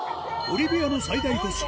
ボリビアの最大都市